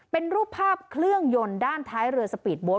เป็นรูปภาพเครื่องยนต์ด้านท้ายเรือสปีดโบ๊